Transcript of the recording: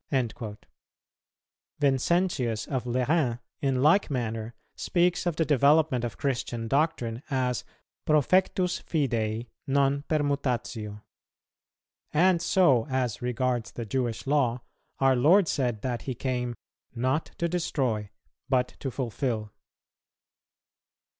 "[201:2] Vincentius of Lerins, in like manner, speaks of the development of Christian doctrine, as profectus fidei non permutatio.[201:3] And so as regards the Jewish Law, our Lord said that He came "not to destroy, but to fulfil."